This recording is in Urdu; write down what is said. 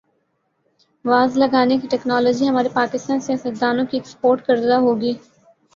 واز لگانے کی ٹیکنالوجی ہمارے پاکستانی سیاستدا نوں کی ایکسپورٹ کردہ ہوگی